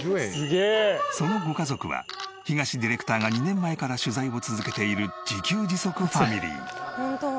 そのご家族は東ディレクターが２年前から取材を続けている自給自足ファミリー。